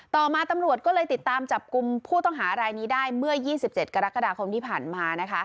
ต่อมาตำรวจก็เลยติดตามจับกลุ่มผู้ต้องหารายนี้ได้เมื่อ๒๗กรกฎาคมที่ผ่านมา